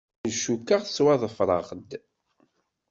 Ur cukkeɣ ttwaḍefreɣ-d.